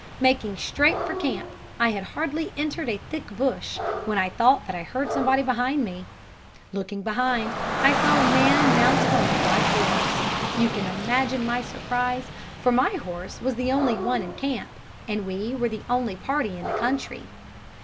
Making straight for the camp, I had hardly entered a thick bush when I thought that I heard somebody behind me. Looking behind, I saw a man mounted on a white horse. You can imagine my surprise, for my horse was the only one in camp, and we were the only party in the country.